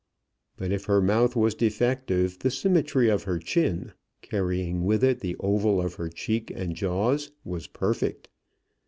But if her mouth was defective, the symmetry of her chin, carrying with it the oval of her cheek and jaws, was perfect.